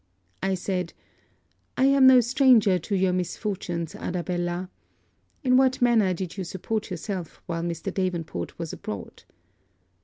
I said, 'I am no stranger to your misfortunes, Arabella. In what manner did you support yourself, while Mr. Davenport was abroad?'